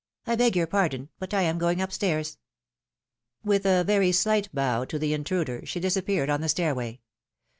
''1 beg your pardon, but I am going up stairs." With a very slight bow to the intruder, she disappeared on the stairway.